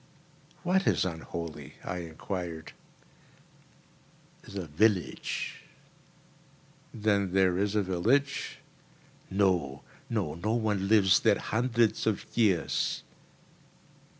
"What is unholy?" I enquired. "The village." "Then there is a village?" "No, no. No one lives there hundreds of years."